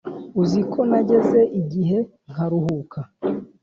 uziko nageze igihe nkaruha